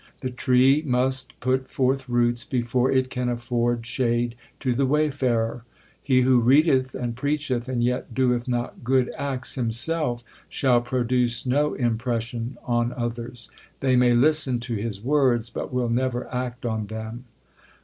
The tree must put forth roots before it can afford shade to the wayfarer. He who readeth and preacheth and yet doeth not good acts himself, shall produce no impression on others. They may listen to his words, but will never act on them.